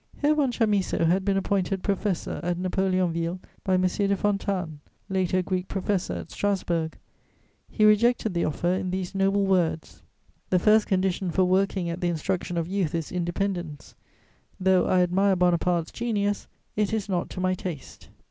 Herr von Chamisso had been appointed professor at Napoléonville by M. de Fontanes; later Greek professor at Strasburg; he rejected the offer in these noble words: "The first condition for working at the instruction of youth is independence; though I admire Bonaparte's genius, it is not to my taste."